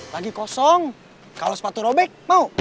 lagi kosong kalau sepatu robek mau